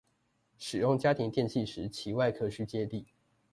使用家庭電器時其外殼需接地